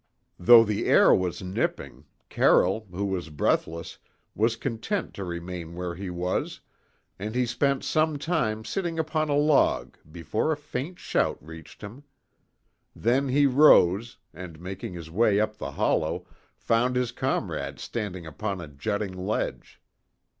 Though the air was nipping, Carroll, who was breathless, was content to remain where he was, and he spent some time sitting upon a log before a faint shout reached him. Then he rose, and making his way up the hollow, found his comrade standing upon a jutting ledge.